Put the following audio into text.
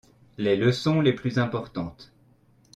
Les leçons les plus importantes.